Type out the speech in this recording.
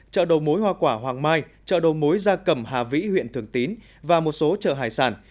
chợ đầu mối hoa quả hoàng mai chợ đầu mối gia cầm hà vĩ huyện thường tín và một số chợ hải sản